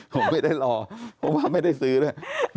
ผมไม่ได้รอเพราะว่าไม่ได้ซื้อด้วย